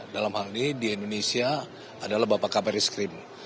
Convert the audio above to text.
dalam hal ini di indonesia adalah bapak kabar eskrim